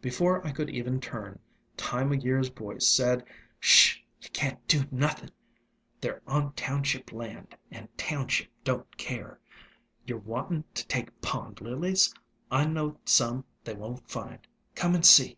Before I could even turn, Time o' Year's voice said: "'Sh! Ye can't do nothing. They 're on town ALONG THE WATERWAYS ship land, and township don't care. Ye 're wanting to take Pond Lilies? I know some they won't find. Come and see!"